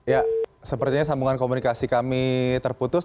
ya sepertinya sambungan komunikasi kami terputus